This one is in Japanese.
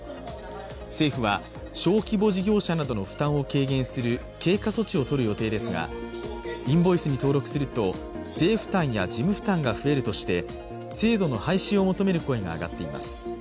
政府は、小規模事業者などの負担を軽減する経過措置をとる予定ですがインボイスに登録すると税負担や事務負担が増えるとして制度の廃止を求める声が上がっています。